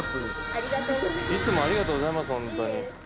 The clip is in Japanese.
いつもありがとうございますホントに。